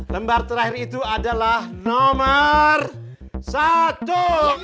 lembar terakhir itu adalah nomor satu